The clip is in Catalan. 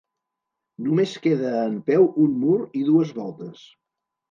Només queda en peu un mur i dues voltes.